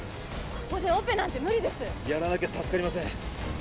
ここでオペなんてムリですやらなきゃ助かりません